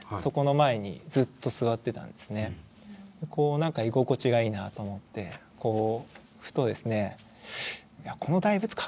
何か居心地がいいなと思ってこうふとですね